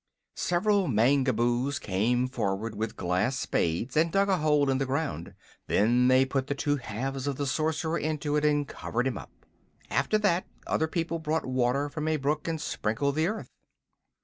Several Mangaboos came forward with glass spades and dug a hole in the ground. Then they put the two halves of the Sorcerer into it and covered him up. After that other people brought water from a brook and sprinkled the earth.